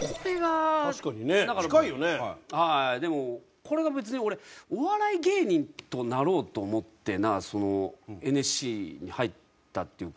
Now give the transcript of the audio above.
でもこれが別に俺お笑い芸人となろうと思ってなんかそのＮＳＣに入ったっていうか。